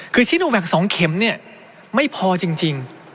คือซีโนแวค๒เข็มเนี่ยไม่พอจริง